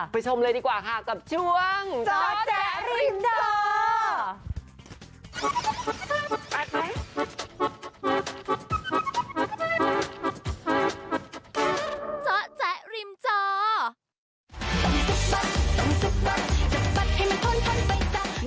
ไปชมเลยดีกว่าค่ะกับช่วงจ๊อจ๊ะริมจอ